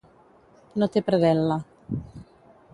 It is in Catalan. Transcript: No té predel·la.